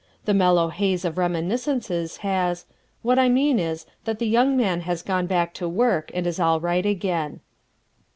the mellow haze of reminiscences has what I mean is that the young man has gone back to work and is all right again.